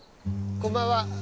こんばんは。